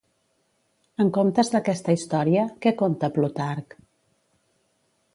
En comptes d'aquesta història, què conta Plutarc?